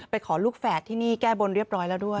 ขอลูกแฝดที่นี่แก้บนเรียบร้อยแล้วด้วย